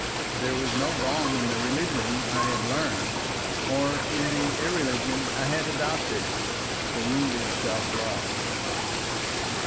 There was no balm in the religion I had learnt, or in the irreligion I had adopted, for wounded self love.